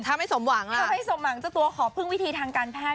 ถ้าไม่สมหวังถ้าไม่สมหวังเจ้าตัวขอพึ่งวิธีทางการแพทย์